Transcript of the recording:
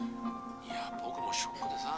いや僕もショックでさ。